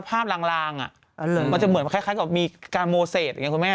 ภาพรางมันจะเหมือนแค่กับมีการโมเศสอย่างนี้คุณแม่